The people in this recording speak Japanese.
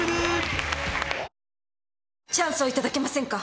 チャンスをいただけませんか。